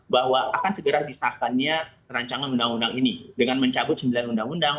bahwa akan segera disahkannya rancangan undang undang ini dengan mencabut sembilan undang undang